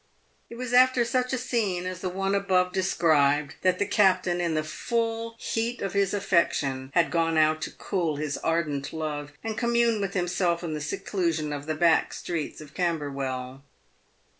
It was after such a scene as the one above described that the cap tain, in the full heat of his affection, had gone out to cool his ardent love and commune with himself in the seclusion of the back streets of Camberwell.